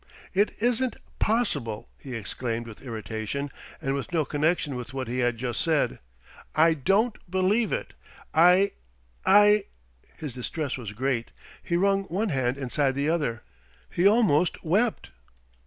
"It isn't possible!" he exclaimed with irritation and with no connection with what he had just said. "I don't believe it! I I " His distress was great. He wrung one hand inside the other. He almost wept.